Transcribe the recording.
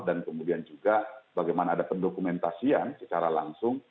dan kemudian juga bagaimana ada pendokumentasian secara langsung